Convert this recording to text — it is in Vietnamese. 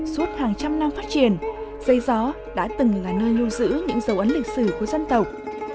suốt hàng trăm năm phát triển dây gió đã từng là nơi lưu giữ những dấu ấn lịch sử của dân tộc